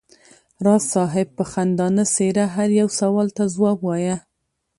راز صاحب په خندانه څېره هر یو سوال ته ځواب وایه.